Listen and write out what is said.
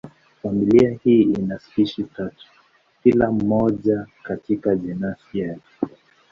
Familia hii ina spishi tatu tu, kila moja katika jenasi yake.